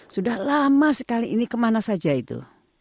sudah lama sekali ini kemana saja itu